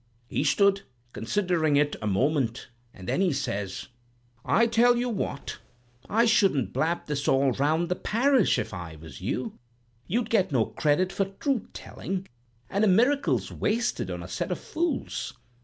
"He stood considering it a moment, and then he says: 'I tell you what. I shouldn't blab this all round the parish, if I was you. You won't get no credit for truth telling, and a miracle's wasted on a set of fools.